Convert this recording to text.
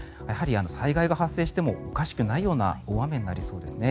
災害が発生してもおかしくないような大雨になりそうですね。